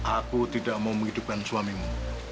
aku tidak mau menghidupkan suamimu